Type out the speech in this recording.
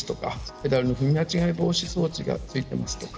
ペダルの踏み間違え防止用装置が付いているとか。